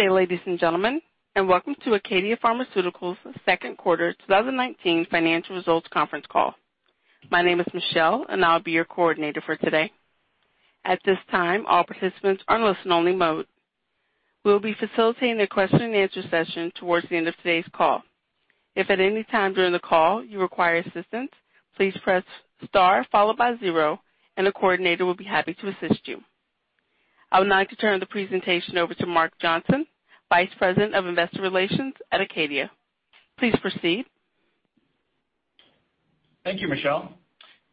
Good day, ladies and gentlemen, and welcome to ACADIA Pharmaceuticals' second quarter 2019 financial results conference call. My name is Michelle, and I'll be your coordinator for today. At this time, all participants are in listen only mode. We'll be facilitating a question and answer session towards the end of today's call. If at any time during the call you require assistance, please press star followed by zero, and a coordinator will be happy to assist you. I would now like to turn the presentation over to Mark Johnson, Vice President of Investor Relations at ACADIA. Please proceed. Thank you, Michelle.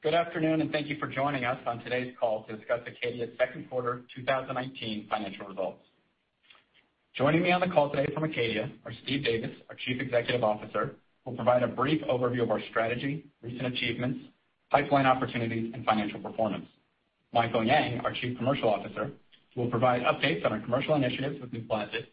Good afternoon, and thank you for joining us on today's call to discuss ACADIA's second quarter 2019 financial results. Joining me on the call today from ACADIA are Steve Davis, our Chief Executive Officer, who will provide a brief overview of our strategy, recent achievements, pipeline opportunities, and financial performance. Michael Yang, our Chief Commercial Officer, who will provide updates on our commercial initiatives with NUPLAZID.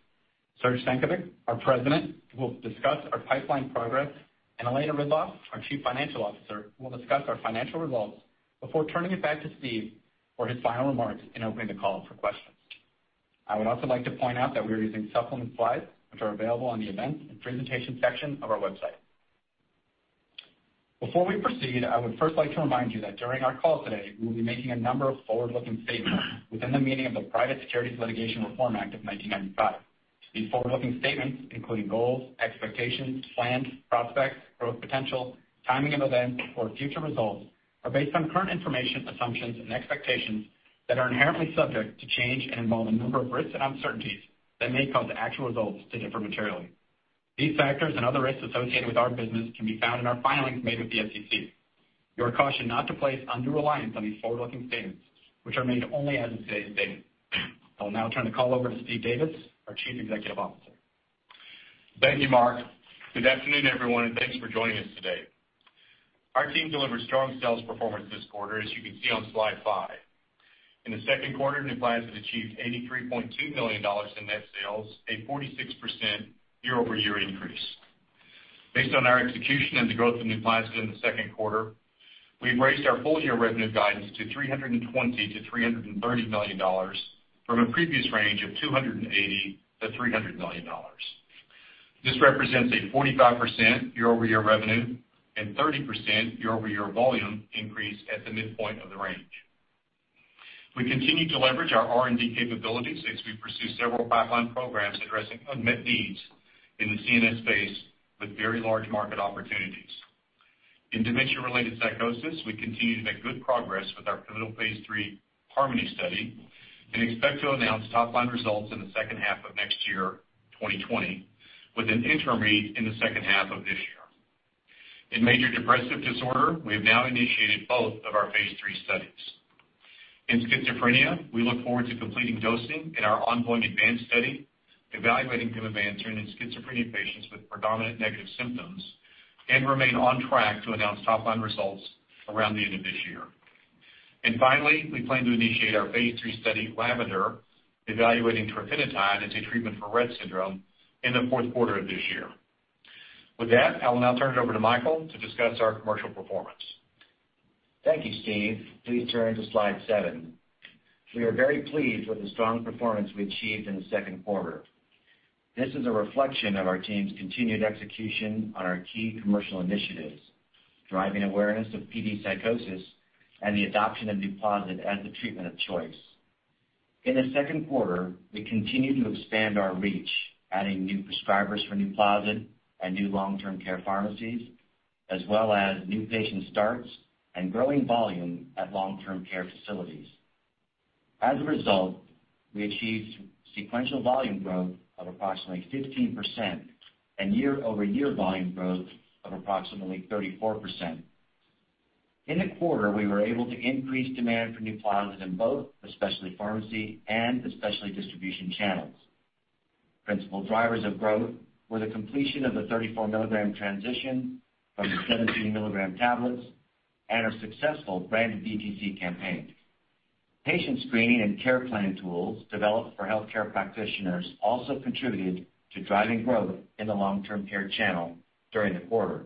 Srdjan Stankovic, our President, who will discuss our pipeline progress, and Elena Ridloff, our Chief Financial Officer, who will discuss our financial results before turning it back to Steve for his final remarks and opening the call up for questions. I would also like to point out that we are using supplement slides, which are available on the events and presentations section of our website. Before we proceed, I would first like to remind you that during our call today, we will be making a number of forward-looking statements within the meaning of the Private Securities Litigation Reform Act of 1995. These forward-looking statements, including goals, expectations, plans, prospects, growth potential, timing of events, or future results are based on current information assumptions and expectations that are inherently subject to change and involve a number of risks and uncertainties that may cause actual results to differ materially. These factors and other risks associated with our business can be found in our filings made with the SEC. You are cautioned not to place undue reliance on these forward-looking statements, which are made only as of today's date. I will now turn the call over to Steve Davis, our Chief Executive Officer. Thank you, Mark. Good afternoon, everyone, and thanks for joining us today. Our team delivered strong sales performance this quarter, as you can see on slide five. In the second quarter, NUPLAZID achieved $83.2 million in net sales, a 46% year-over-year increase. Based on our execution and the growth of NUPLAZID in the second quarter, we've raised our full year revenue guidance to $320 million-$330 million from a previous range of $280 million-$300 million. This represents a 45% year-over-year revenue and 30% year-over-year volume increase at the midpoint of the range. We continue to leverage our R&D capabilities as we pursue several pipeline programs addressing unmet needs in the CNS space with very large market opportunities. In dementia-related psychosis, we continue to make good progress with our pivotal Phase III HARMONY study and expect to announce top line results in the second half of next year, 2020, with an interim read in the second half of this year. In major depressive disorder, we have now initiated both of our Phase III studies. In schizophrenia, we look forward to completing dosing in our ongoing ADVANCE study, evaluating pimavanserin in schizophrenia patients with predominant negative symptoms and remain on track to announce top line results around the end of this year. Finally, we plan to initiate our Phase III study, LAVENDER, evaluating trofinetide as a treatment for Rett syndrome in the fourth quarter of this year. With that, I will now turn it over to Michael to discuss our commercial performance. Thank you, Steve. Please turn to slide seven. We are very pleased with the strong performance we achieved in the second quarter. This is a reflection of our team's continued execution on our key commercial initiatives, driving awareness of PD psychosis and the adoption of NUPLAZID as the treatment of choice. In the second quarter, we continued to expand our reach, adding new prescribers for NUPLAZID and new long-term care pharmacies, as well as new patient starts and growing volume at long-term care facilities. As a result, we achieved sequential volume growth of approximately 15% and year-over-year volume growth of approximately 34%. In the quarter, we were able to increase demand for NUPLAZID in both the specialty pharmacy and the specialty distribution channels. Principal drivers of growth were the completion of the 34 milligram transition from the 17 milligram tablets and our successful branded DTC campaign. Patient screening and care plan tools developed for healthcare practitioners also contributed to driving growth in the long-term care channel during the quarter.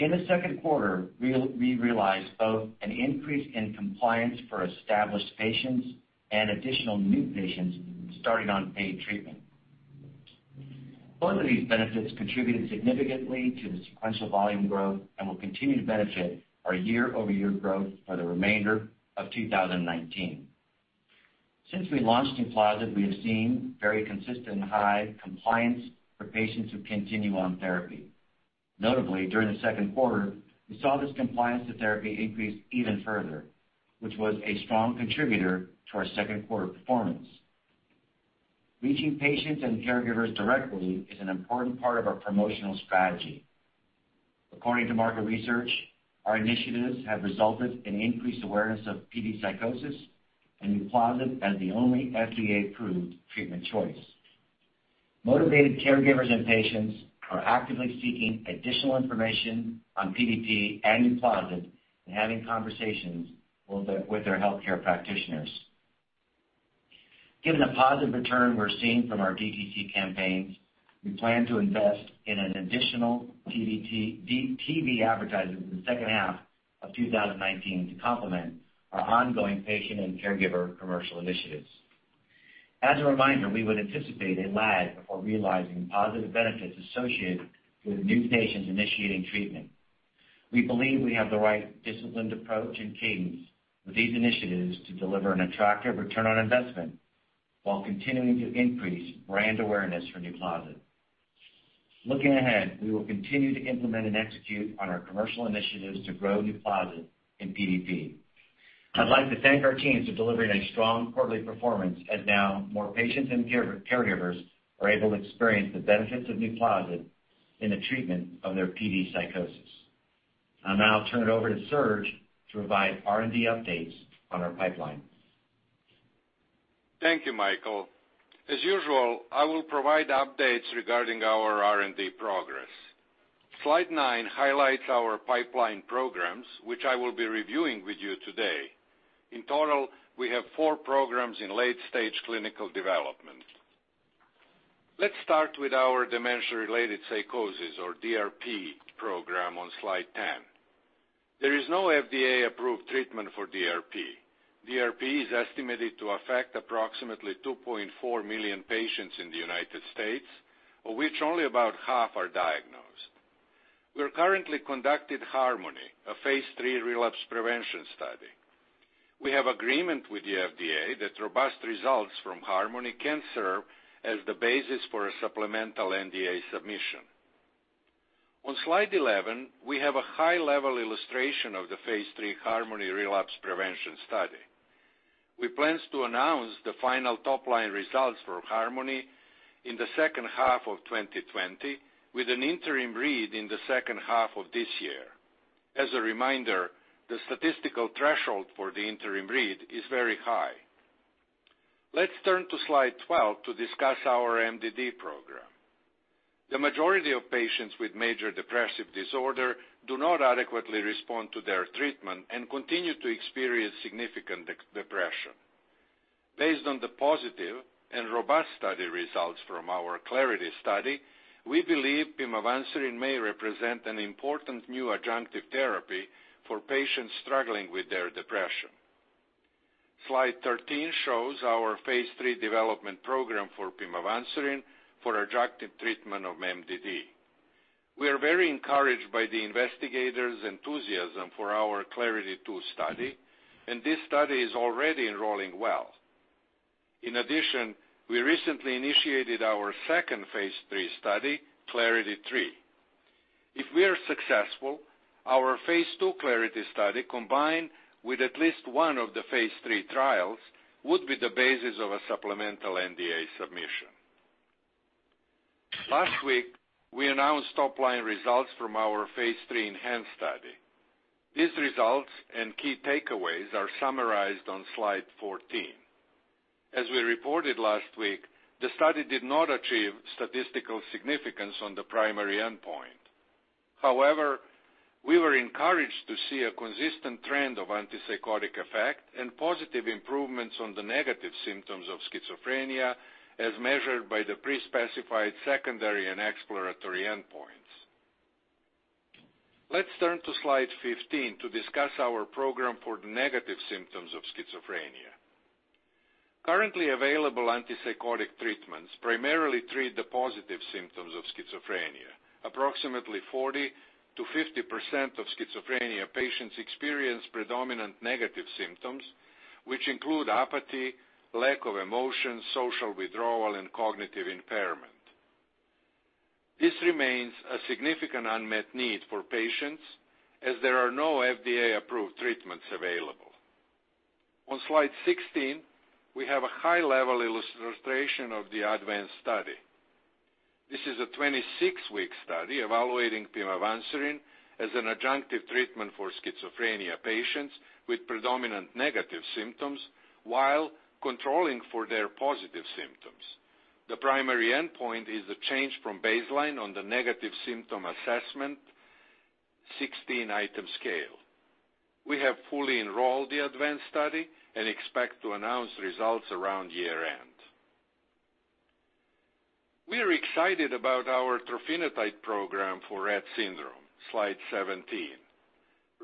In the second quarter, we realized both an increase in compliance for established patients and additional new patients starting on paid treatment. Both of these benefits contributed significantly to the sequential volume growth and will continue to benefit our year-over-year growth for the remainder of 2019. Since we launched NUPLAZID, we have seen very consistent high compliance for patients who continue on therapy. Notably, during the second quarter, we saw this compliance to therapy increase even further, which was a strong contributor to our second quarter performance. Reaching patients and caregivers directly is an important part of our promotional strategy. According to market research, our initiatives have resulted in increased awareness of PD psychosis and NUPLAZID as the only FDA-approved treatment choice. Motivated caregivers and patients are actively seeking additional information on PDP and NUPLAZID and having conversations with their healthcare practitioners. Given the positive return we're seeing from our DTC campaigns. We plan to invest in an additional TV advertisement in the second half of 2019 to complement our ongoing patient and caregiver commercial initiatives. As a reminder, we would anticipate a lag before realizing positive benefits associated with new patients initiating treatment. We believe we have the right disciplined approach and cadence with these initiatives to deliver an attractive return on investment while continuing to increase brand awareness for NUPLAZID. Looking ahead, we will continue to implement and execute on our commercial initiatives to grow NUPLAZID in PDP. I'd like to thank our teams for delivering a strong quarterly performance as now more patients and caregivers are able to experience the benefits of NUPLAZID in the treatment of their PD psychosis. I'll now turn it over to Srdjan to provide R&D updates on our pipeline. Thank you, Michael. As usual, I will provide updates regarding our R&D progress. Slide nine highlights our pipeline programs, which I will be reviewing with you today. In total, we have four programs in late-stage clinical development. Let's start with our dementia-related psychosis, or DRP program on slide 10. There is no FDA-approved treatment for DRP. DRP is estimated to affect approximately 2.4 million patients in the U.S., of which only about half are diagnosed. We are currently conducting HARMONY, a phase III relapse prevention study. We have agreement with the FDA that robust results from HARMONY can serve as the basis for a sNDA submission. On slide 11, we have a high-level illustration of the phase III HARMONY relapse prevention study. We plan to announce the final top-line results for HARMONY in the second half of 2020, with an interim read in the second half of this year. As a reminder, the statistical threshold for the interim read is very high. Let's turn to slide 12 to discuss our MDD program. The majority of patients with major depressive disorder do not adequately respond to their treatment and continue to experience significant depression. Based on the positive and robust study results from our CLARITY study, we believe pimavanserin may represent an important new adjunctive therapy for patients struggling with their depression. Slide 13 shows our phase III development program for pimavanserin for adjunctive treatment of MDD. We are very encouraged by the investigators' enthusiasm for our CLARITY-2 study. This study is already enrolling well. In addition, we recently initiated our second phase III study, CLARITY-3. If we are successful, our phase II CLARITY study, combined with at least one of the phase III trials, would be the basis of a supplemental NDA submission. Last week, we announced top-line results from our phase III ENHANCE study. These results and key takeaways are summarized on slide 14. As we reported last week, the study did not achieve statistical significance on the primary endpoint. However, we were encouraged to see a consistent trend of antipsychotic effect and positive improvements on the negative symptoms of schizophrenia, as measured by the pre-specified secondary and exploratory endpoints. Let's turn to slide 15 to discuss our program for the negative symptoms of schizophrenia. Currently available antipsychotic treatments primarily treat the positive symptoms of schizophrenia. Approximately 40%-50% of schizophrenia patients experience predominant negative symptoms, which include apathy, lack of emotion, social withdrawal, and cognitive impairment. This remains a significant unmet need for patients as there are no FDA-approved treatments available. On slide 16, we have a high-level illustration of the ADVANCE study. This is a 26-week study evaluating pimavanserin as an adjunctive treatment for schizophrenia patients with predominant negative symptoms while controlling for their positive symptoms. The primary endpoint is the change from baseline on the Negative Symptom Assessment 16-item scale. We have fully enrolled the ADVANCE study and expect to announce results around year-end. We are excited about our trofinetide program for Rett syndrome. Slide 17.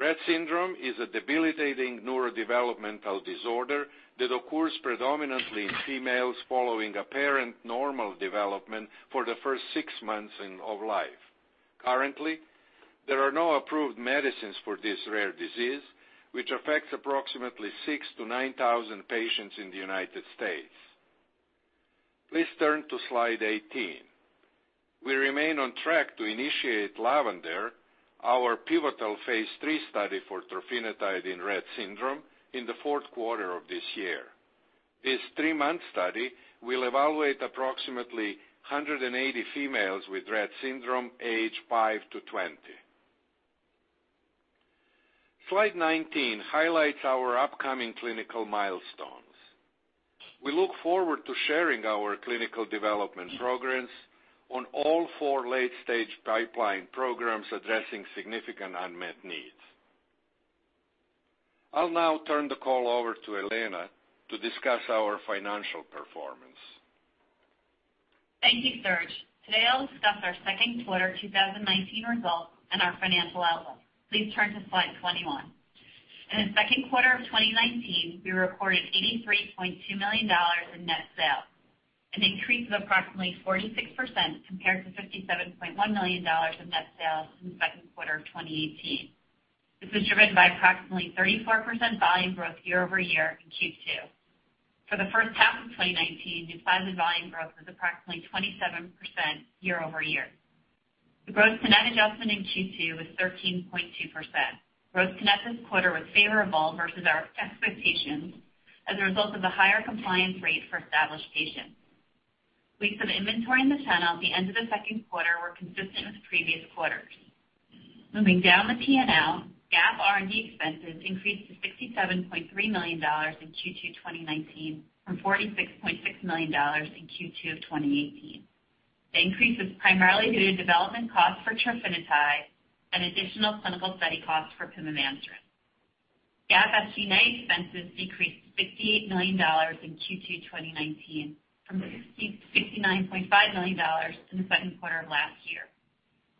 Rett syndrome is a debilitating neurodevelopmental disorder that occurs predominantly in females following apparent normal development for the first six months of life. Currently, there are no approved medicines for this rare disease, which affects approximately 6,000-9,000 patients in the United States. Please turn to slide 18. We remain on track to initiate LAVENDER, our pivotal phase III study for trofinetide in Rett syndrome, in the fourth quarter of this year. This three-month study will evaluate approximately 180 females with Rett syndrome age five to 20. Slide 19 highlights our upcoming clinical milestones. We look forward to sharing our clinical development progress on all four late-stage pipeline programs addressing significant unmet needs. I'll now turn the call over to Elena to discuss our financial performance. Thank you, Srdjan. Today, I'll discuss our second quarter 2019 results and our financial outlook. Please turn to slide 21. In the second quarter of 2019, we recorded $83.2 million in net sales, an increase of approximately 46% compared to $57.1 million in net sales in the second quarter of 2018. This was driven by approximately 34% volume growth year-over-year in Q2. For the first half of 2019, NUPLAZID volume growth was approximately 27% year-over-year. The gross-to-net adjustment in Q2 was 13.2%. Gross-to-net this quarter was favorable versus our expectations as a result of the higher compliance rate for established patients. Weeks of inventory in the channel at the end of the second quarter were consistent with previous quarters. Moving down the P&L, GAAP R&D expenses increased to $67.3 million in Q2 2019 from $46.6 million in Q2 of 2018. The increase was primarily due to development costs for trofinetide and additional clinical study costs for pimavanserin. GAAP SG&A expenses decreased to $58 million in Q2 2019 from $69.5 million in the second quarter of last year.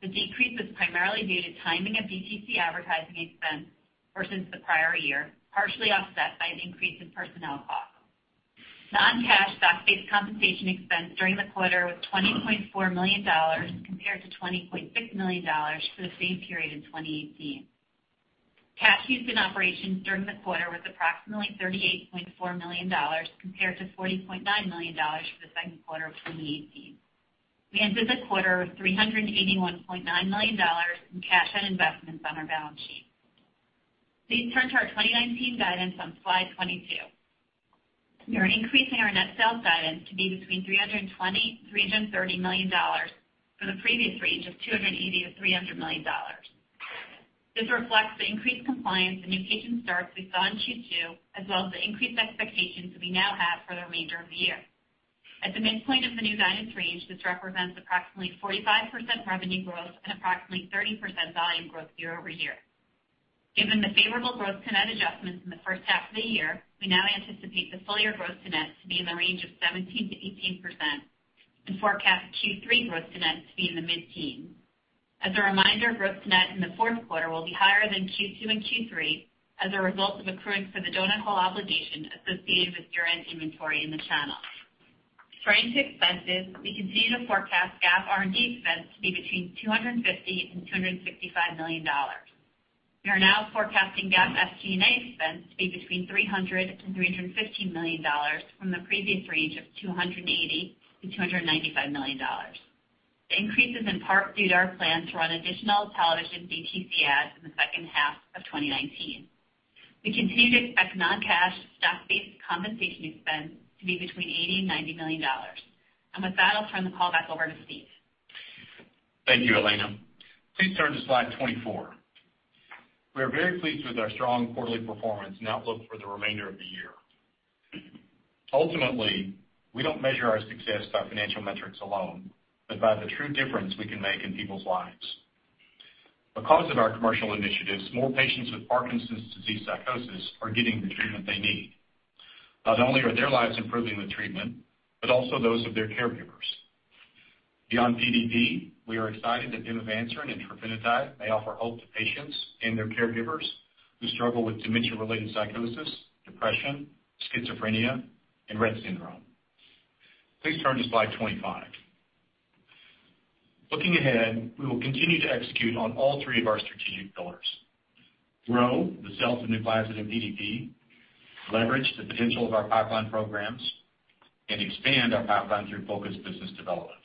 The decrease was primarily due to timing of DTC advertising expense versus the prior year, partially offset by an increase in personnel costs. Non-cash stock-based compensation expense during the quarter was $20.4 million compared to $20.6 million for the same period in 2018. Cash used in operations during the quarter was approximately $38.4 million, compared to $40.9 million for the second quarter of 2018. We ended the quarter with $381.9 million in cash and investments on our balance sheet. Please turn to our 2019 guidance on slide 22. We are increasing our net sales guidance to be between $320 million-$330 million from the previous range of $280 million-$300 million. This reflects the increased compliance in new patient starts we saw in Q2, as well as the increased expectations that we now have for the remainder of the year. At the midpoint of the new guidance range, this represents approximately 45% revenue growth and approximately 30% volume growth year-over-year. Given the favorable growth-to-net adjustments in the first half of the year, we now anticipate the full year growth to net to be in the range of 17%-18% and forecast Q3 growth to net to be in the mid-teens. As a reminder, growth to net in the fourth quarter will be higher than Q2 and Q3 as a result of accruing for the donut hole obligation associated with Part D inventory in the channel. Turning to expenses, we continue to forecast GAAP R&D expense to be between $250 million and $265 million. We are now forecasting GAAP SG&A expense to be between $300 million and $315 million from the previous range of $280 million to $295 million. The increase is in part due to our plan to run additional television DTC ads in the second half of 2019. We continue to expect non-cash stock-based compensation expense to be between $80 million and $90 million. With that, I'll turn the call back over to Steve. Thank you, Elena. Please turn to slide 24. We are very pleased with our strong quarterly performance and outlook for the remainder of the year. Ultimately, we don't measure our success by financial metrics alone, but by the true difference we can make in people's lives. Because of our commercial initiatives, more patients with Parkinson's disease psychosis are getting the treatment they need. Not only are their lives improving with treatment, but also those of their caregivers. Beyond PDP, we are excited that pimavanserin and trofinetide may offer hope to patients and their caregivers who struggle with dementia-related psychosis, depression, schizophrenia, and Rett syndrome. Please turn to slide 25. Looking ahead, we will continue to execute on all three of our strategic pillars: grow the sales of NUPLAZID and PDP, leverage the potential of our pipeline programs, and expand our pipeline through focused business development.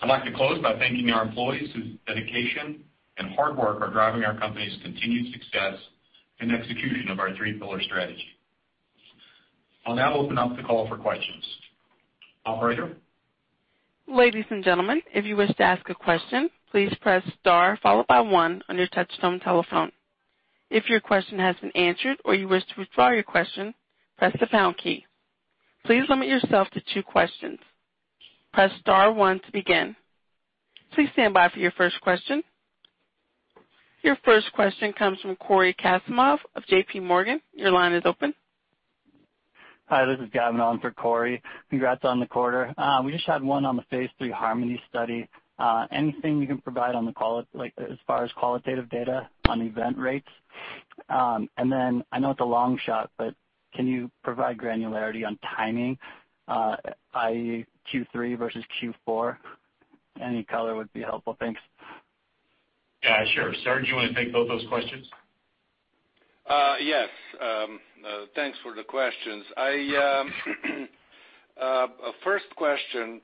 I'd like to close by thanking our employees, whose dedication and hard work are driving our company's continued success and execution of our three-pillar strategy. I'll now open up the call for questions. Operator? Ladies and gentlemen, if you wish to ask a question, please press star followed by one on your touchtone telephone. If your question has been answered or you wish to withdraw your question, press the pound key. Please limit yourself to two questions. Press star one to begin. Please stand by for your first question. Your first question comes from Cory Kasimov of J.P. Morgan. Your line is open. Hi, this is Gavin on for Cory. Congrats on the quarter. We just had one on the phase III HARMONY study. Anything you can provide as far as qualitative data on event rates? Then I know it's a long shot, but can you provide granularity on timing, i.e., Q3 versus Q4? Any color would be helpful. Thanks. Yeah, sure. Srdjan, you want to take both those questions? Yes. Thanks for the questions. First question,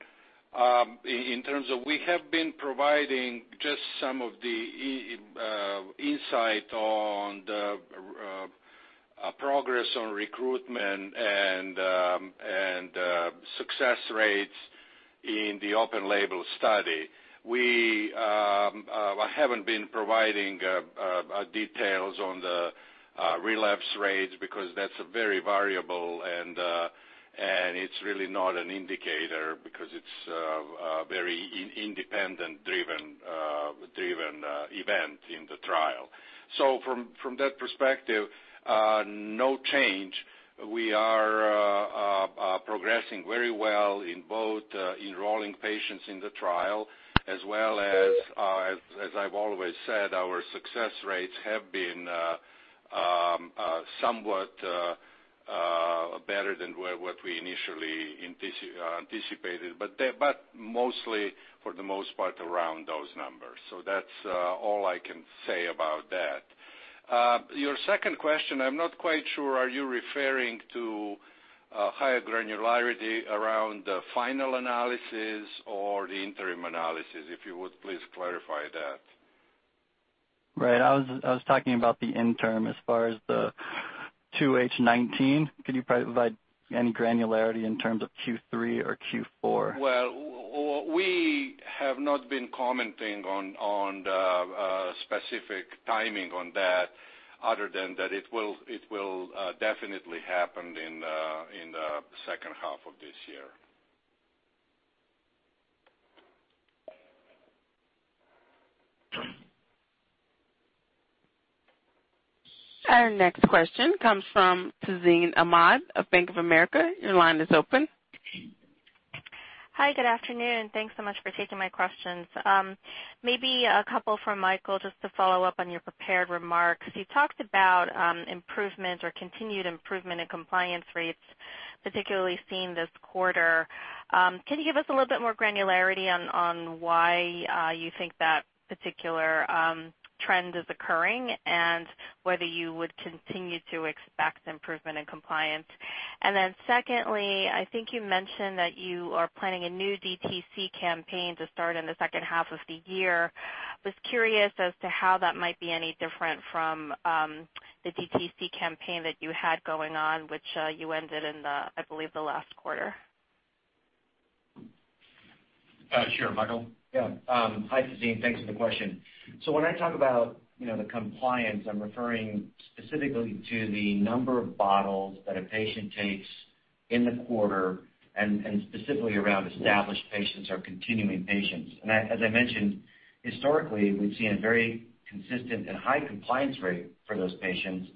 in terms of we have been providing just some of the insight on the progress on recruitment and success rates in the open label study. We haven't been providing details on the relapse rates because that's very variable and. It's really not an indicator because it's very independent-driven event in the trial. From that perspective, no change. We are progressing very well in both enrolling patients in the trial as well as I've always said, our success rates have been somewhat better than what we initially anticipated, but mostly, for the most part, around those numbers. That's all I can say about that. Your second question, I'm not quite sure. Are you referring to higher granularity around the final analysis or the interim analysis? If you would, please clarify that. Right. I was talking about the interim, as far as the 2H19. Could you provide any granularity in terms of Q3 or Q4? Well, we have not been commenting on the specific timing on that other than that it will definitely happen in the second half of this year. Our next question comes from Tazeen Ahmad of Bank of America. Your line is open. Hi, good afternoon. Thanks so much for taking my questions. Maybe a couple for Michael, just to follow up on your prepared remarks. You talked about improvement or continued improvement in compliance rates, particularly seen this quarter. Can you give us a little bit more granularity on why you think that particular trend is occurring and whether you would continue to expect improvement in compliance? Secondly, I think you mentioned that you are planning a new DTC campaign to start in the second half of the year. Was curious as to how that might be any different from the DTC campaign that you had going on, which you ended in the, I believe, the last quarter. Sure. Michael? Yeah. Hi, Tazeen. Thanks for the question. When I talk about the compliance, I'm referring specifically to the number of bottles that a patient takes in the quarter and specifically around established patients or continuing patients. As I mentioned, historically, we've seen a very consistent and high compliance rate for those patients.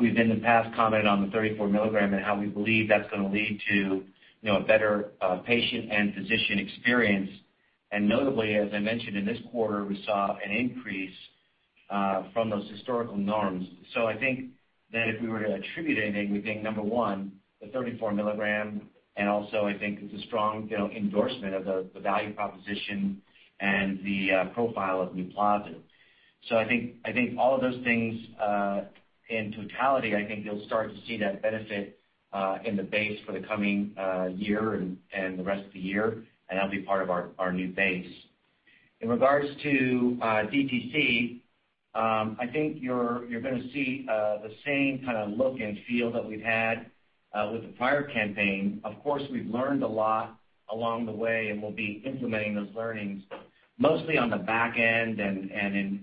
We've in the past commented on the 34 mg and how we believe that's going to lead to a better patient and physician experience. Notably, as I mentioned in this quarter, we saw an increase from those historical norms. I think that if we were to attribute anything, we think, number one, the 34 mg, and also I think it's a strong endorsement of the value proposition and the profile of NUPLAZID. I think all of those things in totality, I think you'll start to see that benefit in the base for the coming year and the rest of the year, and that'll be part of our new base. In regards to DTC, I think you're going to see the same kind of look and feel that we've had with the prior campaign. Of course, we've learned a lot along the way, and we'll be implementing those learnings mostly on the back end and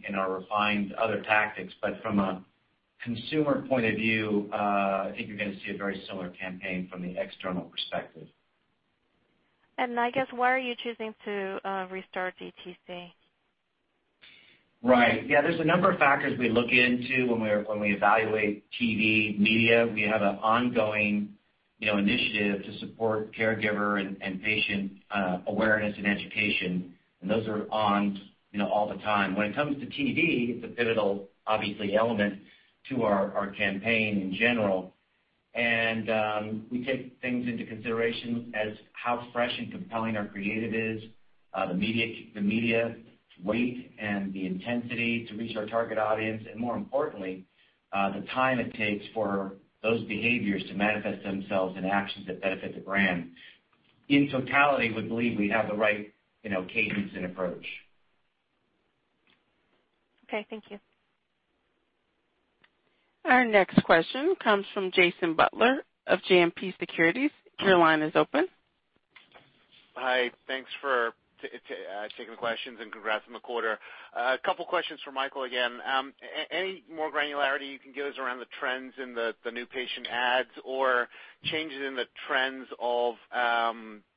in our refined other tactics. From a consumer point of view, I think you're going to see a very similar campaign from the external perspective. I guess, why are you choosing to restart DTC? Right. Yeah, there's a number of factors we look into when we evaluate TV media. We have an ongoing initiative to support caregiver and patient awareness and education, and those are on all the time. When it comes to TV, it's a pivotal, obviously, element to our campaign in general. We take things into consideration as how fresh and compelling our creative is, the media weight and the intensity to reach our target audience, and more importantly, the time it takes for those behaviors to manifest themselves in actions that benefit the brand. In totality, we believe we have the right cadence and approach. Okay, thank you. Our next question comes from Jason Butler of JMP Securities. Your line is open. Hi. Thanks for taking the questions and congrats on the quarter. A couple questions for Michael again. Any more granularity you can give us around the trends in the new patient adds or changes in the trends of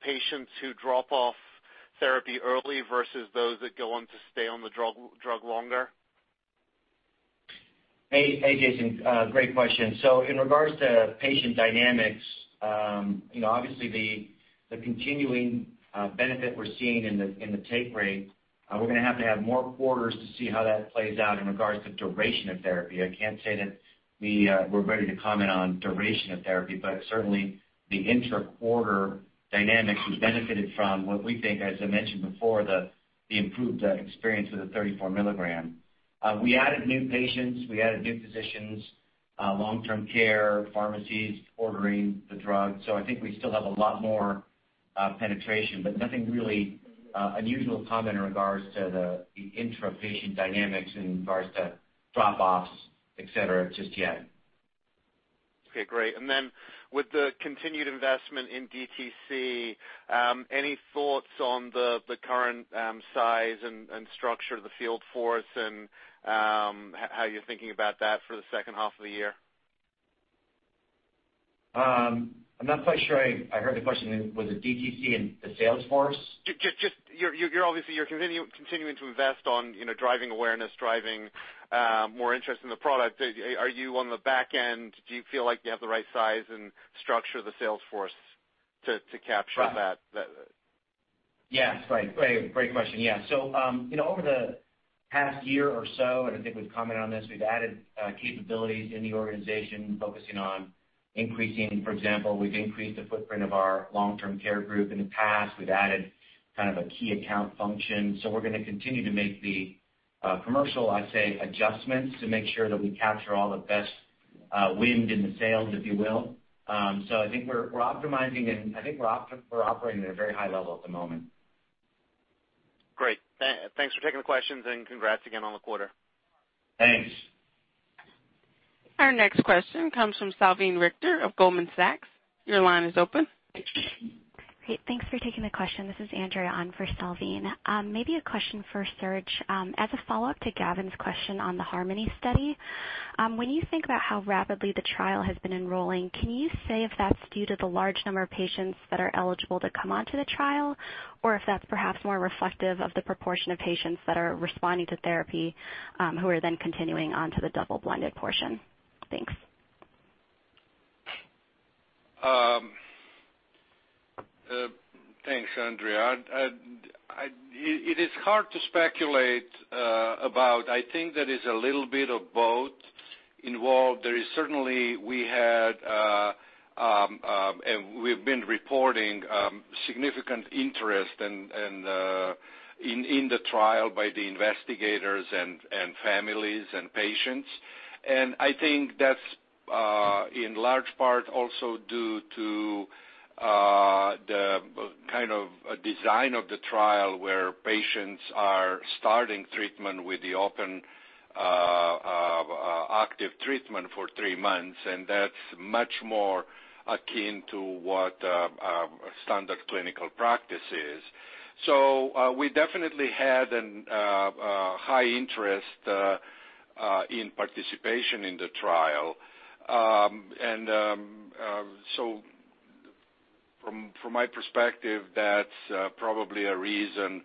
patients who drop off therapy early versus those that go on to stay on the drug longer? Hey, Jason. Great question. In regards to patient dynamics, obviously the continuing benefit we're seeing in the take rate, we're going to have to have more quarters to see how that plays out in regards to duration of therapy. I can't say that we're ready to comment on duration of therapy. Certainly the inter-quarter dynamics has benefited from what we think, as I mentioned before, the improved experience with the 34 mg. We added new patients, we added new physicians, long-term care pharmacies ordering the drug. I think we still have a lot more penetration, but nothing really unusual to comment in regards to the intra-patient dynamics in regards to drop-offs, et cetera, just yet. Okay, great. Then with the continued investment in DTC, any thoughts on the current size and structure of the field force and how you're thinking about that for the second half of the year? I'm not quite sure I heard the question. Was it DTC and the sales force? Just you're obviously continuing to invest on driving awareness, driving more interest in the product. Are you on the back end? Do you feel like you have the right size and structure of the sales force to capture that? Yes. Great question, yeah. Over the past year or so, and I think we've commented on this, we've added capabilities in the organization focusing on increasing. For example, we've increased the footprint of our long-term care group in the past. We've added kind of a key account function. We're going to continue to make the commercial, I'd say, adjustments to make sure that we capture all the best wind in the sails, if you will. I think we're optimizing and I think we're operating at a very high level at the moment. Great. Thanks for taking the questions and congrats again on the quarter. Thanks. Our next question comes from Salveen Richter of Goldman Sachs. Your line is open. Great. Thanks for taking the question. This is Andrea on for Salveen. Maybe a question for Srdjan. As a follow-up to Gavin's question on the HARMONY study. When you think about how rapidly the trial has been enrolling, can you say if that's due to the large number of patients that are eligible to come onto the trial, or if that's perhaps more reflective of the proportion of patients that are responding to therapy who are then continuing onto the double-blinded portion? Thanks. Thanks, Andrea. It is hard to speculate about. I think there is a little bit of both involved. There is certainly we've been reporting significant interest in the trial by the investigators and families and patients. I think that's in large part also due to the kind of design of the trial where patients are starting treatment with the open active treatment for three months, and that's much more akin to what standard clinical practice is. We definitely had a high interest in participation in the trial. From my perspective, that's probably a reason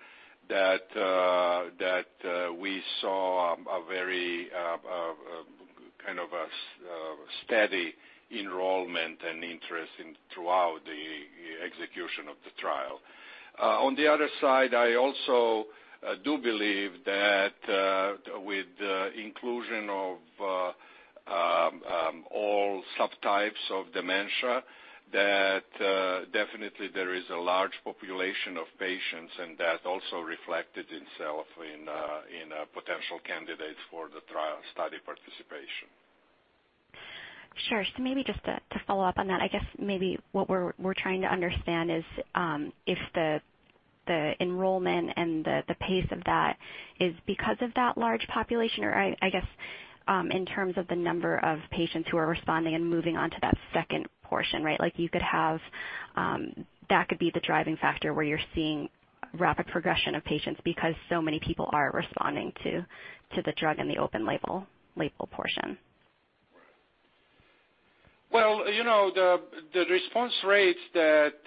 that we saw a very steady enrollment and interest throughout the execution of the trial. On the other side, I also do believe that with inclusion of all subtypes of dementia, that definitely there is a large population of patients and that also reflected itself in potential candidates for the trial study participation. Sure. Maybe just to follow up on that, I guess maybe what we're trying to understand is if the enrollment and the pace of that is because of that large population, or I guess, in terms of the number of patients who are responding and moving on to that second portion. That could be the driving factor where you're seeing rapid progression of patients because so many people are responding to the drug and the open-label portion. The response rates that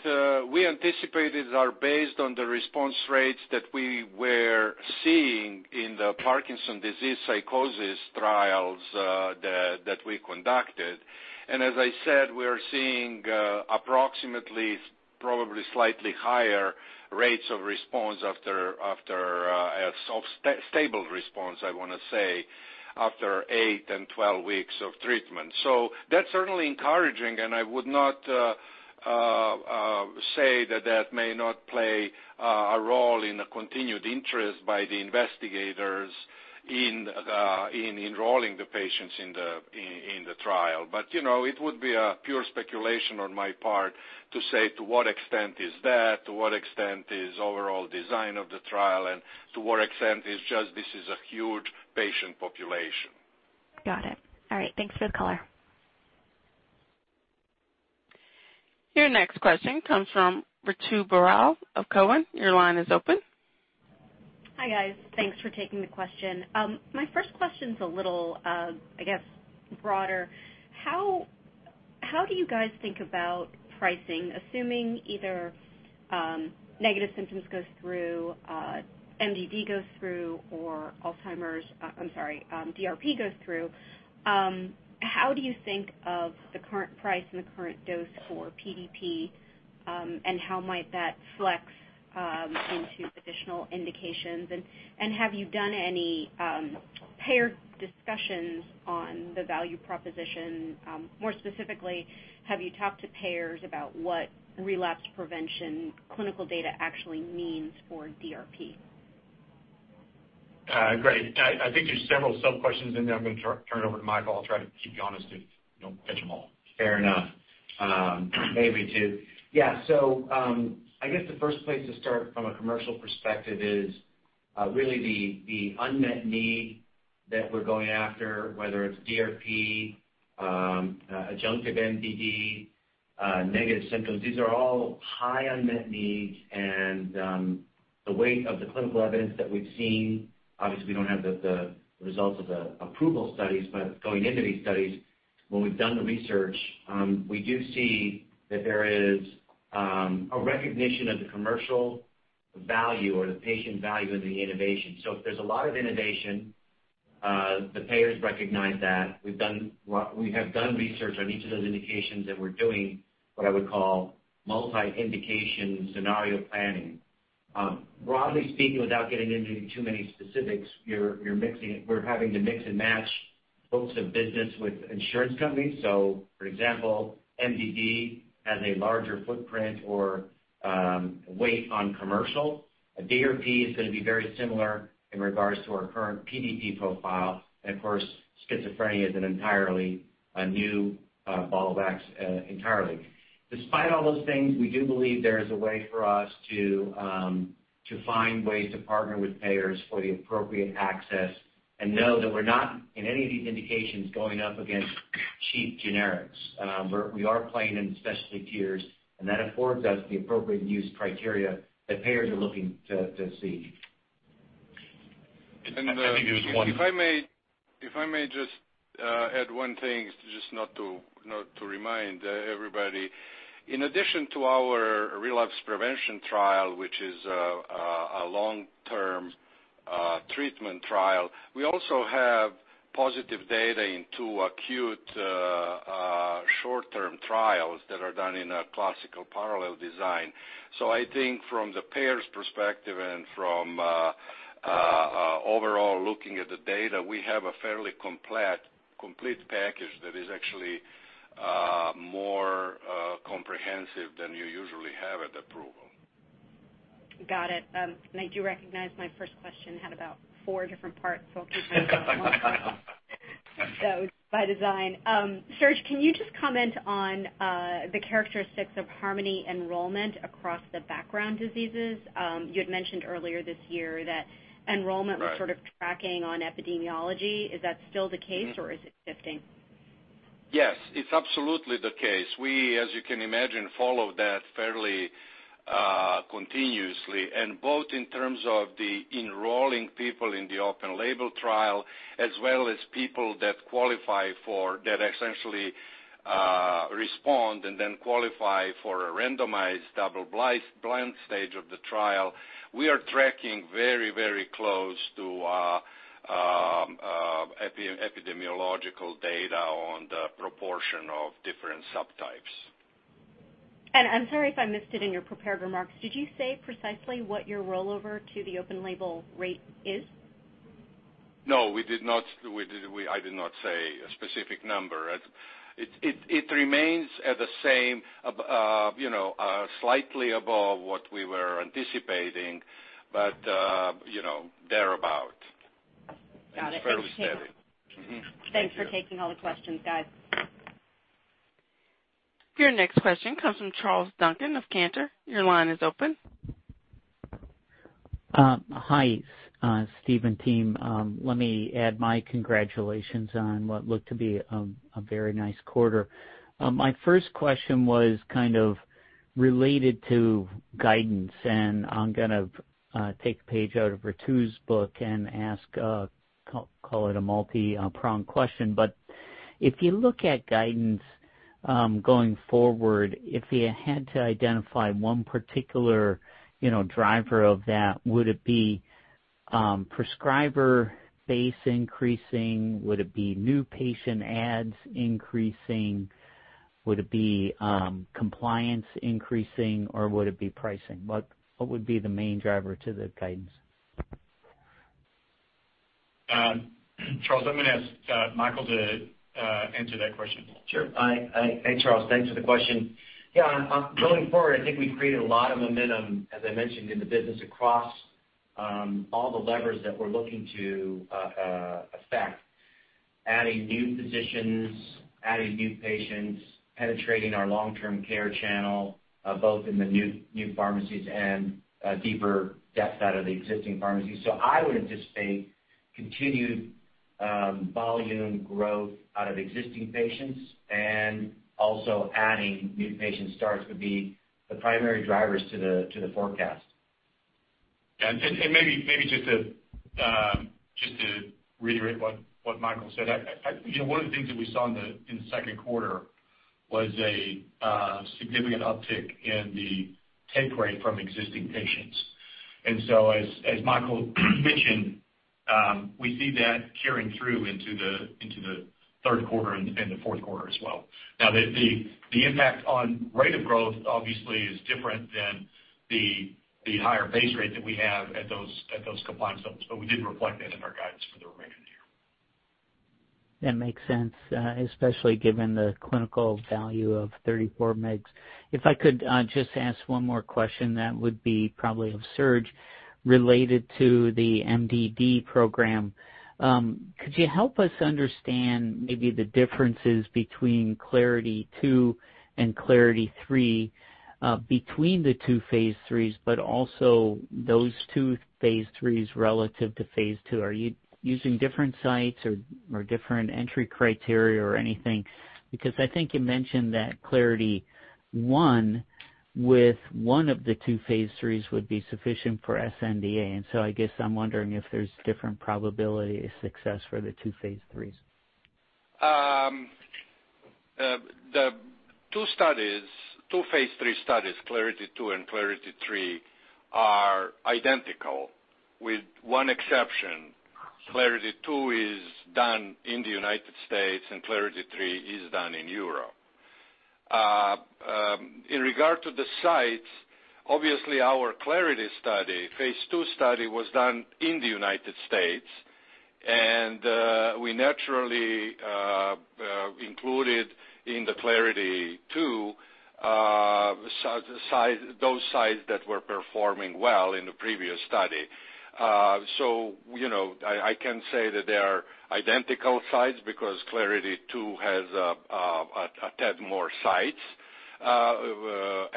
we anticipated are based on the response rates that we were seeing in the Parkinson's disease psychosis trials that we conducted. As I said, we're seeing approximately, probably slightly higher rates of response after a stable response, I want to say, after 8 and 12 weeks of treatment. That's certainly encouraging, and I would not say that that may not play a role in a continued interest by the investigators in enrolling the patients in the trial. It would be a pure speculation on my part to say to what extent is that, to what extent is overall design of the trial, and to what extent is just this is a huge patient population. Got it. All right. Thanks for the color. Your next question comes from Ritu Baral of Cowen. Your line is open. Hi, guys. Thanks for taking the question. My first question's a little, I guess, broader. How do you guys think about pricing, assuming either negative symptoms goes through, MDD goes through, or DRP goes through, how do you think of the current price and the current dose for PDP, and how might that flex into additional indications? Have you done any payer discussions on the value proposition? More specifically, have you talked to payers about what relapse prevention clinical data actually means for DRP? Great. I think there's several sub-questions in there. I'm going to turn it over to Michael. I'll try to keep you honest if you don't catch them all. Fair enough. Maybe two. Yeah. I guess the first place to start from a commercial perspective is really the unmet need that we're going after, whether it's DRP, adjunctive MDD. negative symptoms. These are all high unmet needs, the weight of the clinical evidence that we've seen, obviously, we don't have the results of the approval studies, but going into these studies, when we've done the research, we do see that there is a recognition of the commercial value or the patient value of the innovation. If there's a lot of innovation, the payers recognize that. We have done research on each of those indications, and we're doing what I would call multi-indication scenario planning. Broadly speaking, without getting into too many specifics, we're having to mix and match books of business with insurance companies. For example, MDD has a larger footprint or weight on commercial. A DRP is going to be very similar in regards to our current PDP profile. Of course, schizophrenia is an entirely new ball of wax entirely. Despite all those things, we do believe there is a way for us to find ways to partner with payers for the appropriate access and know that we're not, in any of these indications, going up against cheap generics. We are playing in specialty tiers, and that affords us the appropriate use criteria that payers are looking to see. If I may just add one thing, just not to remind everybody. In addition to our relapse prevention trial, which is a long-term treatment trial, we also have positive data in two acute short-term trials that are done in a classical parallel design. I think from the payer's perspective and from overall looking at the data, we have a fairly complete package that is actually more comprehensive than you usually have at approval. Got it. I do recognize my first question had about four different parts. It was by design. Srdjan, can you just comment on the characteristics of HARMONY enrollment across the background diseases? You had mentioned earlier this year that enrollment- Right was sort of tracking on epidemiology. Is that still the case or is it shifting? Yes, it's absolutely the case. We, as you can imagine, follow that fairly continuously. Both in terms of the enrolling people in the open-label trial, as well as people that essentially respond and then qualify for a randomized double-blind stage of the trial. We are tracking very close to epidemiological data on the proportion of different subtypes I'm sorry if I missed it in your prepared remarks. Did you say precisely what your rollover to the open-label rate is? No, I did not say a specific number. It remains at the same, slightly above what we were anticipating, but thereabout. Got it. It's fairly steady. Mm-hmm. Thanks for taking all the questions, guys. Your next question comes from Charles Duncan of Cantor. Your line is open. Hi, Steve and team. Let me add my congratulations on what looked to be a very nice quarter. My first question was kind of related to guidance, and I'm going to take a page out of Ritu's book and call it a multi-pronged question. If you look at guidance going forward, if you had to identify one particular driver of that, would it be prescriber base increasing, would it be new patient adds increasing, would it be compliance increasing, or would it be pricing? What would be the main driver to the guidance? Charles, I'm going to ask Michael to answer that question. Sure. Hey, Charles, thanks for the question. Yeah, going forward, I think we've created a lot of momentum, as I mentioned, in the business across all the levers that we're looking to affect. Adding new physicians, adding new patients, penetrating our long-term care channel, both in the new pharmacies and deeper depth out of the existing pharmacies. I would anticipate continued volume growth out of existing patients and also adding new patient starts would be the primary drivers to the forecast. Maybe just to reiterate what Michael said. One of the things that we saw in the second quarter was a significant uptick in the take rate from existing patients. As Michael mentioned, we see that carrying through into the third quarter and the fourth quarter as well. Now, the impact on rate of growth obviously is different than the higher base rate that we have at those compliance levels. We did reflect that in our guidance for the remainder of the year. That makes sense, especially given the clinical value of 34 mg. If I could just ask one more question, that would be probably of Srdjan, related to the MDD program. Could you help us understand maybe the differences between CLARITY-2 and CLARITY-3 between the two phase IIIs, but also those two phase IIIs relative to phase II? Are you using different sites or different entry criteria or anything? I think you mentioned that Clarity 1 with one of the two phase IIIs would be sufficient for sNDA. I guess I'm wondering if there's different probability of success for the two phase IIIs. The two phase III studies, CLARITY-2 and CLARITY-3, are identical with one exception. CLARITY-2 is done in the U.S., CLARITY-3 is done in Europe. In regard to the sites, obviously our CLARITY study, phase II study, was done in the U.S., and we naturally included in the CLARITY-2 those sites that were performing well in the previous study. I can say that they are identical sites because CLARITY-2 has a tad more sites, but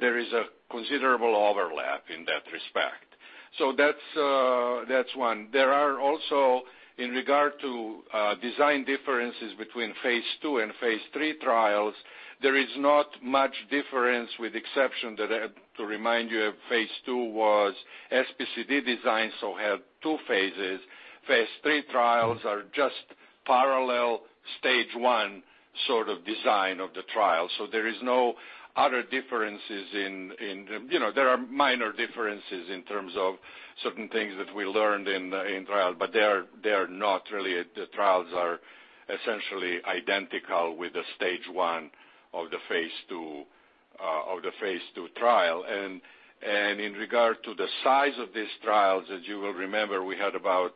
there is a considerable overlap in that respect. That's one. There are also, in regard to design differences between phase II and phase III trials, there is not much difference with the exception that, to remind you, phase II was SPCD design, so had two phases. Phase III trials are just parallel stage 1 sort of design of the trial. There is no other differences. There are minor differences in terms of certain things that we learned in trial, but the trials are essentially identical with the stage 1 of the phase II trial. In regard to the size of these trials, as you will remember, we had about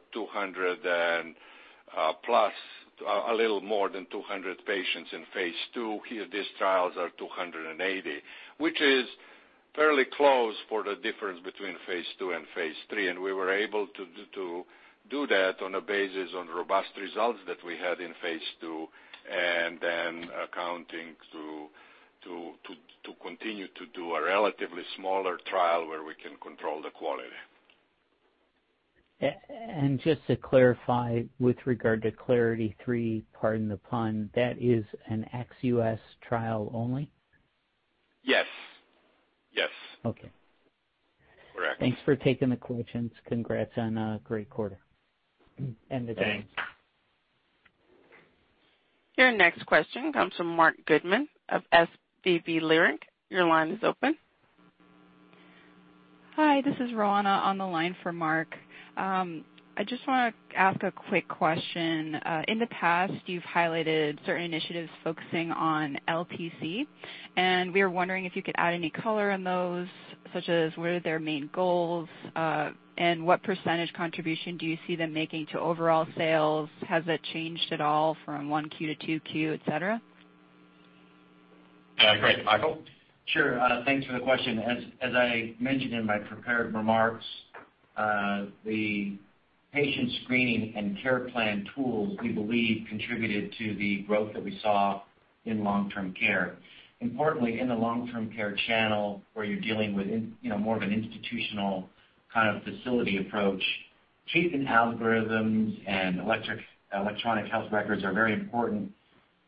a little more than 200 patients in phase II. Here, these trials are 280, which is fairly close for the difference between phase II and phase III. We were able to do that on the basis on robust results that we had in phase II, and then accounting to continue to do a relatively smaller trial where we can control the quality. Just to clarify, with regard to CLARITY-3, pardon the pun, that is an ex-U.S. trial only? Yes. Okay. Correct. Thanks for taking the questions. Congrats on a great quarter. End of day. Thanks. Your next question comes from Marc Goodman of SVB Leerink. Your line is open. Hi, this is Roanna on the line for Mark. I just want to ask a quick question. In the past, you've highlighted certain initiatives focusing on LTC, and we were wondering if you could add any color on those, such as what are their main goals, and what % contribution do you see them making to overall sales? Has that changed at all from 1Q to 2Q, et cetera? Great. Michael? Sure. Thanks for the question. As I mentioned in my prepared remarks, the patient screening and care plan tools, we believe contributed to the growth that we saw in long-term care. Importantly, in the long-term care channel, where you're dealing with more of an institutional kind of facility approach, treatment algorithms and electronic health records are very important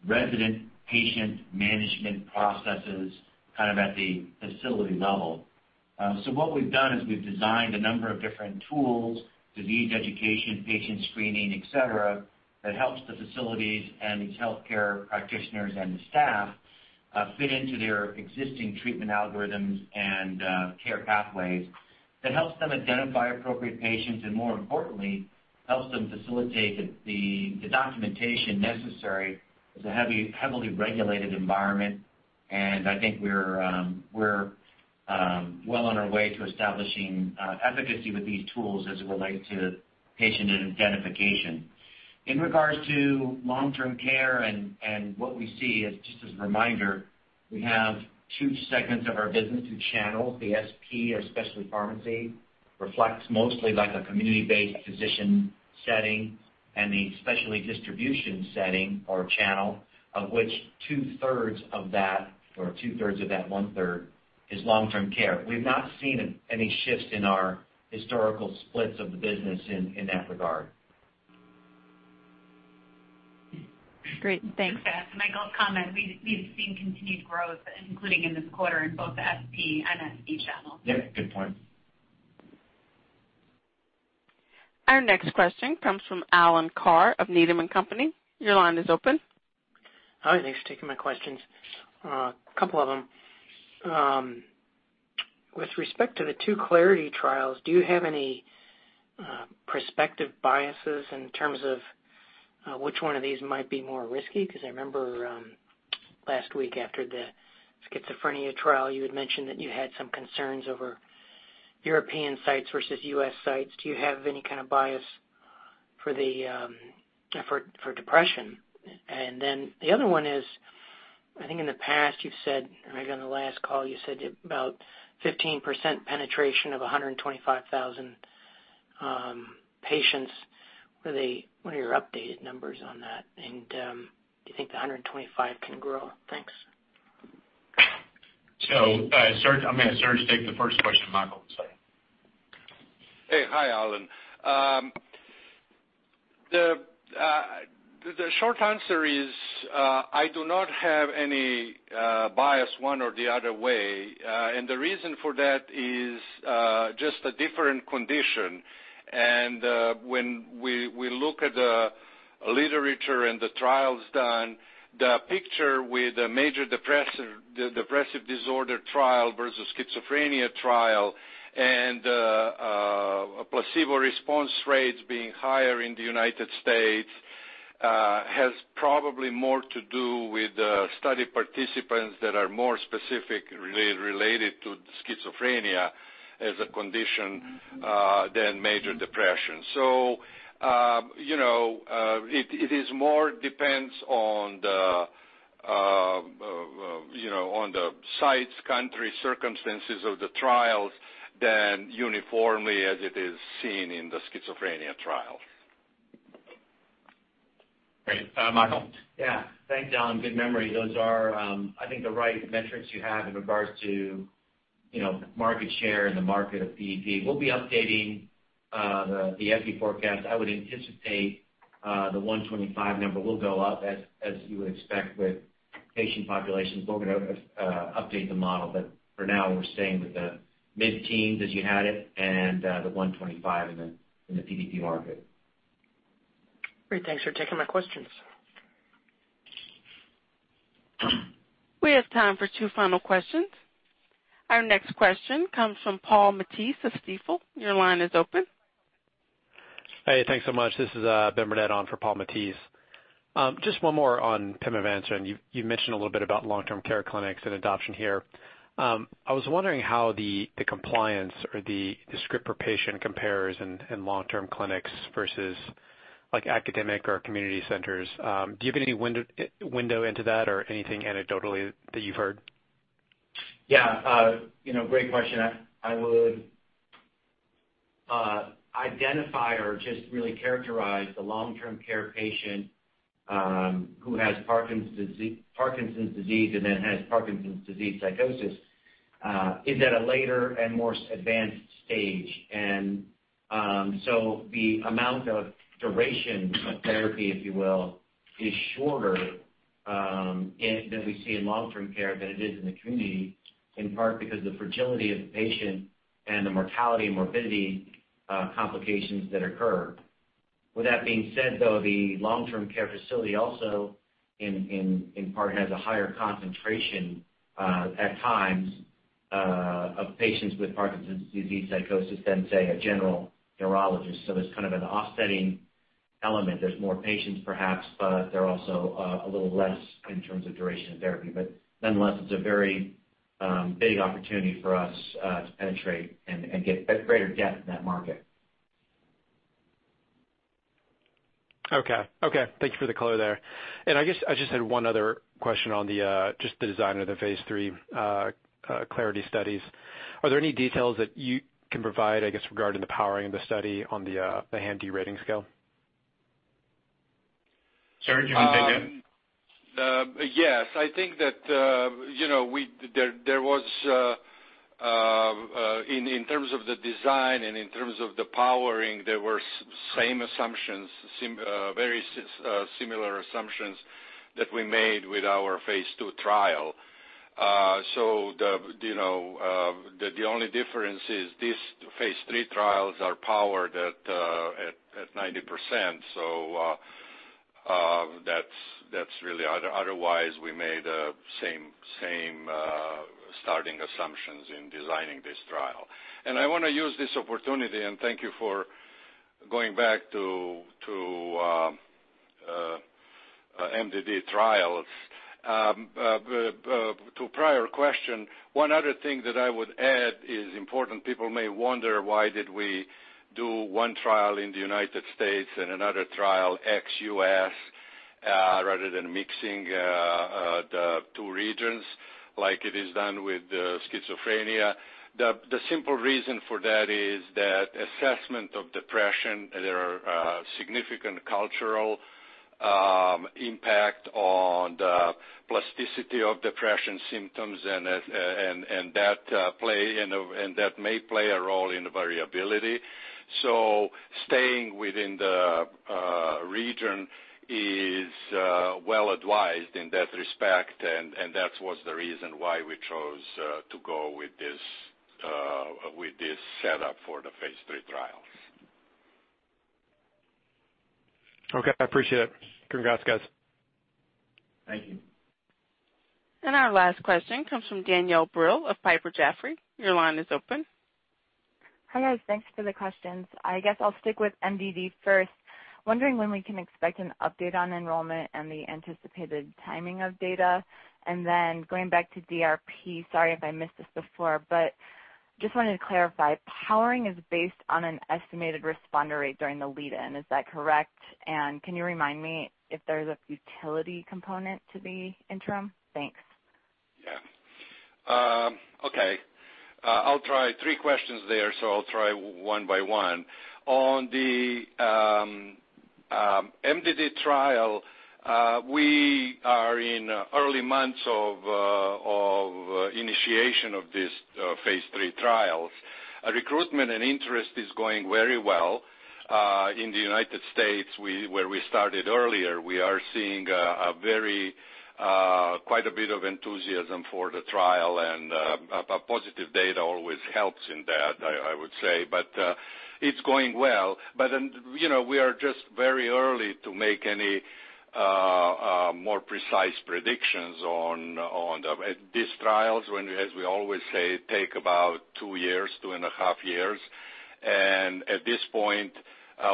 resident patient management processes kind of at the facility level. What we've done is we've designed a number of different tools, disease education, patient screening, et cetera, that helps the facilities and these healthcare practitioners and the staff fit into their existing treatment algorithms and care pathways that helps them identify appropriate patients and more importantly, helps them facilitate the documentation necessary. It's a heavily regulated environment, I think we're well on our way to establishing efficacy with these tools as it relates to patient identification. In regards to long-term care and what we see as just as a reminder, we have two segments of our business, two channels, the SP, or specialty pharmacy, reflects mostly like a community-based physician setting and the specialty distribution setting or channel, of which two-thirds of that one-third is long-term care. We've not seen any shifts in our historical splits of the business in that regard. Great. Thanks. To add to Michael's comment, we've seen continued growth, including in this quarter in both the SP and SD channel. Yep, good point. Our next question comes from Alan Carr of Needham & Company. Your line is open. Hi, thanks for taking my questions. A couple of them. With respect to the two CLARITY trials, do you have any prospective biases in terms of which one of these might be more risky? I remember last week after the schizophrenia trial, you had mentioned that you had some concerns over European sites versus U.S. sites. Do you have any kind of bias for depression? The other one is, I think in the past you've said, or maybe on the last call, you said about 15% penetration of 125,000 patients. What are your updated numbers on that? Do you think the 125 can grow? Thanks. I'm going to let Srdjan take the first question. Michael, second. Hey. Hi, Alan. The short answer is, I do not have any bias one or the other way. The reason for that is just a different condition. When we look at the literature and the trials done, the picture with the Major Depressive Disorder trial versus schizophrenia trial and placebo response rates being higher in the United States has probably more to do with the study participants that are more specific related to schizophrenia as a condition than Major Depression. It more depends on the sites, country, circumstances of the trials than uniformly as it is seen in the schizophrenia trial. Great. Michael? Yeah. Thanks, Alan. Good memory. Those are, I think, the right metrics you have in regards to market share and the market of PDP. We'll be updating the PDP forecast. I would anticipate the 125 number will go up, as you would expect with patient populations. We're going to update the model. For now, we're staying with the mid-teens as you had it and the 125 in the PDP market. Great. Thanks for taking my questions. We have time for two final questions. Our next question comes from Paul Matteis of Stifel. Your line is open. Hey, thanks so much. This is Benjamin Burnett on for Paul Matteis. Just one more on pimavanserin. You mentioned a little bit about long-term care clinics and adoption here. I was wondering how the compliance or the script per patient compares in long-term clinics versus academic or community centers. Do you have any window into that or anything anecdotally that you've heard? Great question. I would identify or just really characterize the long-term care patient who has Parkinson's disease and then has Parkinson's disease psychosis is at a later and more advanced stage. The amount of duration of therapy, if you will, is shorter that we see in long-term care than it is in the community, in part because the fragility of the patient and the mortality and morbidity complications that occur. With that being said, though, the long-term care facility also in part has a higher concentration at times of patients with Parkinson's disease psychosis than, say, a general neurologist. There's an offsetting element. There's more patients perhaps, but they're also a little less in terms of duration of therapy. Nonetheless, it's a very big opportunity for us to penetrate and get greater depth in that market. Okay. Thank you for the color there. I just had one other question on the design of the phase III CLARITY studies. Are there any details that you can provide regarding the powering of the study on the HAM-D rating scale? Srdjan, you can take that. Yes. I think that there was, in terms of the design and in terms of the powering, there were same assumptions, very similar assumptions that we made with our phase II trial. The only difference is these phase III trials are powered at 90%. Otherwise, we made same starting assumptions in designing this trial. I want to use this opportunity, and thank you for going back to MDD trials. To prior question, one other thing that I would add is important. People may wonder why did we do one trial in the U.S. and another trial ex-U.S. rather than mixing the two regions like it is done with schizophrenia. The simple reason for that is that assessment of depression, there are significant cultural impact on the plasticity of depression symptoms and that may play a role in the variability. Staying within the region is well advised in that respect, and that was the reason why we chose to go with this setup for the phase III trials. Okay. I appreciate it. Congrats, guys. Thank you. Our last question comes from Danielle Brill of Piper Jaffray. Your line is open. Hi, guys. Thanks for the questions. I guess I'll stick with MDD first. Wondering when we can expect an update on enrollment and the anticipated timing of data. Then going back to DRP, sorry if I missed this before, but just wanted to clarify, powering is based on an estimated responder rate during the lead-in, is that correct? Can you remind me if there's a utility component to the interim? Thanks. Yeah. Okay. I'll try. Three questions there, I'll try one by one. On the MDD trial, we are in early months of initiation of these phase III trials. Recruitment and interest is going very well in the U.S., where we started earlier. We are seeing quite a bit of enthusiasm for the trial, positive data always helps in that, I would say. It's going well. We are just very early to make any more precise predictions on these trials. As we always say, take about two years, two and a half years. At this point,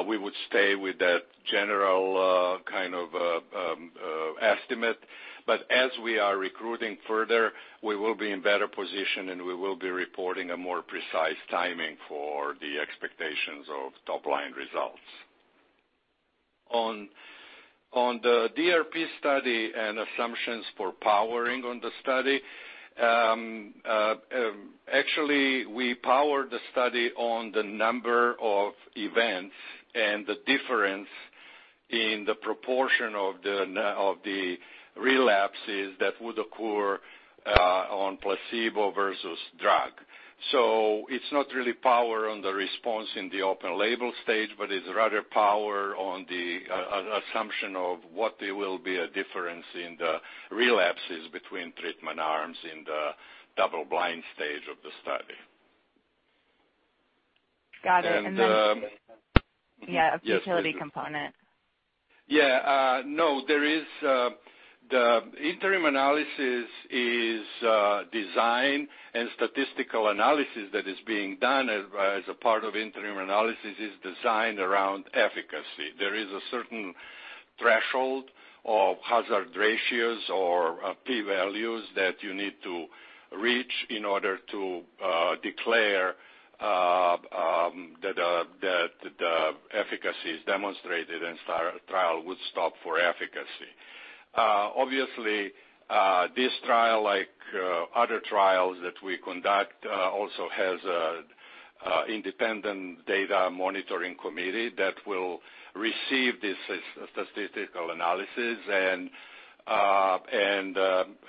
we would stay with that general kind of estimate. As we are recruiting further, we will be in better position, we will be reporting a more precise timing for the expectations of top-line results. On the DRP study and assumptions for powering on the study. Actually, we powered the study on the number of events and the difference in the proportion of the relapses that would occur on placebo versus drug. It's not really power on the response in the open-label stage, but it's rather power on the assumption of what there will be a difference in the relapses between treatment arms in the double-blind stage of the study. Got it. And- Yeah. Yes, please. Futility component. Yeah. No, the interim analysis is designed, and statistical analysis that is being done as a part of interim analysis is designed around efficacy. There is a certain threshold of hazard ratios or p-values that you need to reach in order to declare that the efficacy is demonstrated and trial would stop for efficacy. This trial, like other trials that we conduct, also has independent data monitoring committee that will receive this statistical analysis and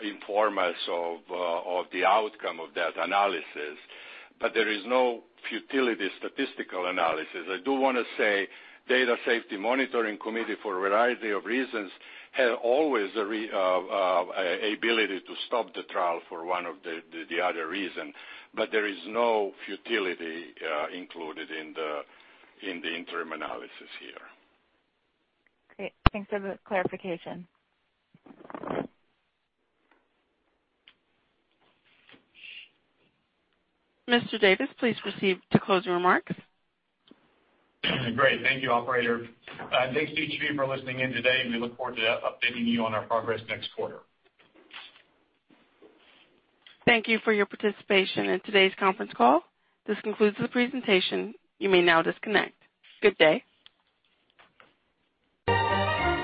inform us of the outcome of that analysis. There is no futility statistical analysis. I do want to say, data safety monitoring committee, for a variety of reasons, have always ability to stop the trial for one of the other reasons, there is no futility included in the interim analysis here. Great. Thanks for the clarification. Mr. Davis, please proceed to closing remarks. Great. Thank you, operator. Thanks to each of you for listening in today. We look forward to updating you on our progress next quarter. Thank you for your participation in today's conference call. This concludes the presentation. You may now disconnect. Good day.